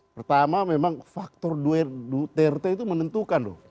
pertama memang faktor duterte itu menentukan loh